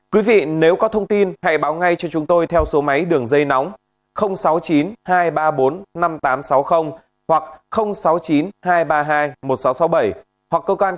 quý vị nếu có thông tin hãy báo ngay cho chúng tôi theo số mô tả